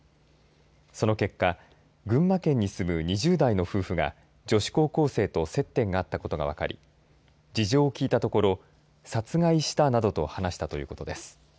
その結果群馬県に住む２０代の夫婦が女子高校生と接点があったことが分かり事情を聴いたところ殺害したなどと話したということです。